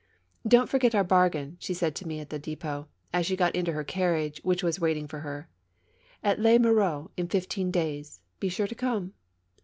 "Don't forget our bargain!" she said to me at the ddpot, as she got into her carriage, which was waiting for her. " At Les Mureaux in fifteen days — be sure to come!"